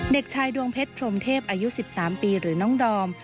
เด็กชายดวงเพชรพรมเทพอายุ๑๓ปีหรือน้องดอม